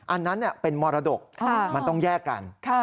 อันนั้นเป็นมรดกมันต้องแยกกัน